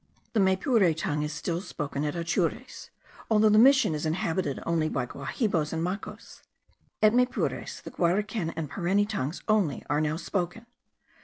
The Maypure tongue is still spoken at Atures, although the mission is inhabited only by Guahibos and Macos. At Maypures the Guareken and Pareni tongues only are now spoken.